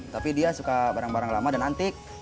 tapi dia suka barang barang lama dan antik